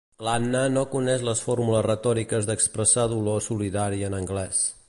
L'Anna no coneix les fórmules retòriques d'expressar dolor solidari en anglès.